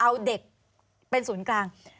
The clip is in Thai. เอาเด็กเป็นศูนย์กลาง